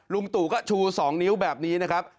ลุงตู่ก็ชู๒นิ้วแบบนี้นะครับ